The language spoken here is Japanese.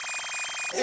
・え！？